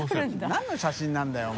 何の写真なんだよお前。